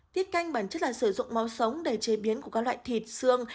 thiết canh bản chất là sử dụng máu sống để chế biến của các loại thịt xương